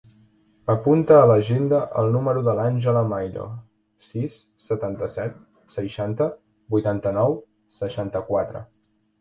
Apunta a l'agenda el número de l'Àngela Maillo: sis, setanta-set, seixanta, vuitanta-nou, seixanta-quatre.